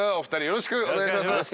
よろしくお願いします。